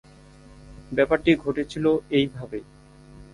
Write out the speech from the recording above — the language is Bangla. ব্যাপারটি ঘটেছিল এইভাবে।